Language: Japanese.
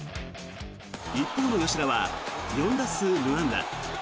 一方の吉田は４打数無安打。